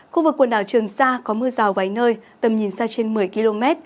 khu vực quần đảo trường sa có mưa rào vài nơi tầm nhìn xa trên một mươi km